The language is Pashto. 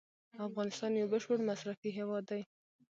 افغانستان یو بشپړ مصرفي هیواد دی.